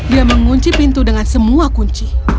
ia mengunci pintu dengan semua kunci